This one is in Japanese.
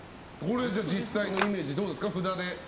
じゃあ、実際のイメージどうですか？